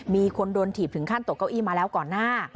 มีคนโดนถีบถึงขั้นตกเก้าอี้มาแล้วก่อนหน้า